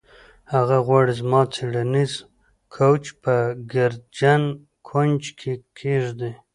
هغه غواړي زما څیړنیز کوچ په ګردجن کونج کې کیږدي